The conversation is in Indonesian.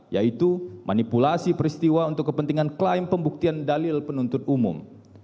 yaitu manipulasi peristiwa untuk kepentingan klaim pembuktian dalil penuntut umum